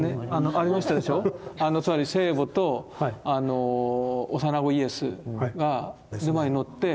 つまり聖母と幼子イエスがロバに乗って。